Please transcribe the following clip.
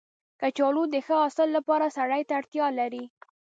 کچالو د ښه حاصل لپاره سرې ته اړتیا لري